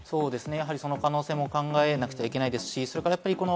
その可能性も考えなくちゃいけないですし。